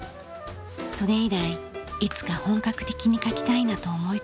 それ以来いつか本格的に描きたいなと思い続け